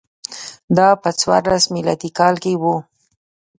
دا په څوارلس میلادي کال کې و